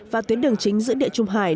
và tuyến đường chính giữa địa trung hải